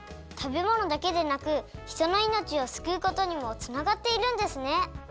たべものだけでなくひとのいのちをすくうことにもつながっているんですね！